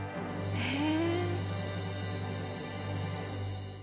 へえ。